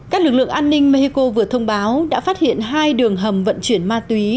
các lực lượng an ninh mexico vừa thông báo đã phát hiện hai đường hầm vận chuyển ma túy